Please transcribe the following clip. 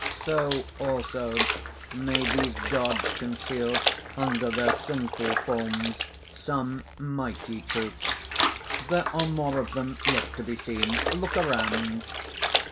So also may these Gods conceal under their sinful forms some mighty truth. There are more of them yet to be seen. Look around!"